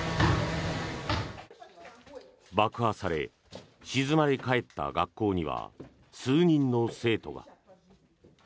爆破され、静まり返った学校には数人の生徒が。